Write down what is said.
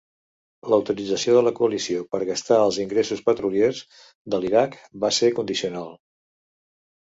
L'autorització de la Coalició per gastar els ingressos petroliers de l'Iraq va ser condicional.